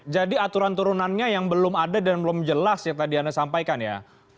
aturan turunannya yang belum ada dan belum jelas yang tadi anda sampaikan ya